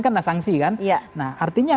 karena sangsi kan nah artinya